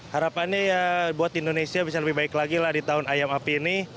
harapannya ya buat indonesia bisa lebih baik lagi lah di tahun ayam api ini